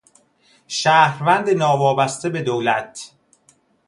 شهروند ناوابسته به دولت